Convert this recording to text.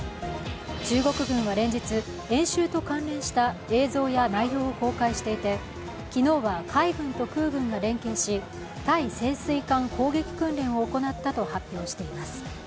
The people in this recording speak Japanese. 中国軍は連日、演習と関連した映像や内容を公開していて昨日は、海軍と空軍が連携し対潜水艦攻撃訓練を行ったと発表しています。